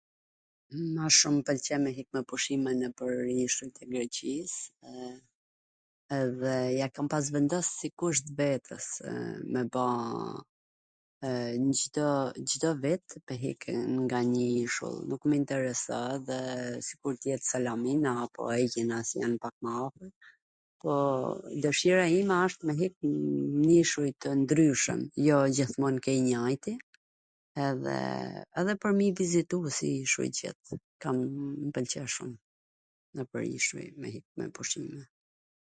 Ma shum mw pwlqen me hik me pushime nwpwr ishuj tw Greqis edhe ja kam pas vendos si kusht vetesw me ba Cdo vit me hikw nga njw ishull, derisa dhe sikur t jet Salamina, apo Ejina se jan pak ma afwr, po dwshira ime asht me hik nw ishuj tw ndryshwm, jo gjithmon ke i njajti, edheee edhe pwr me i vizitu si ishuj qw jan, kam... mw pwlqen shum.